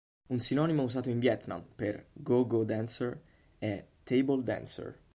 Un sinonimo usato in Vietnam per go-go dancer è table dancer.